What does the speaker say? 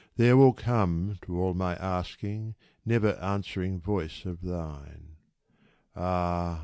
There will come, to all my asking, never answering voice of thine. Ah